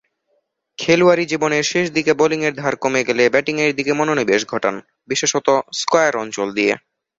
খেলোয়াড়ী জীবনের শেষদিকে বোলিংয়ের ধার কমে গেলে ব্যাটিংয়ের দিকে মনোনিবেশ ঘটান বিশেষতঃ স্কয়ার অঞ্চল দিয়ে।